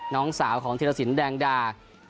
น้องสาวของเทียดสินแดงดา